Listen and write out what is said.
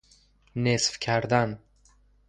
نصف کردن